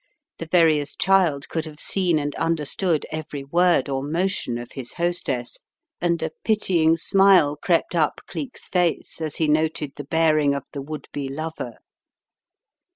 The veriest child could have seen and understood every word or motion of his hostess, and a pitying smile crept up Cleek's face as he noted the bearing of the would be lover.